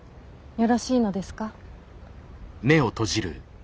よろしいのですか？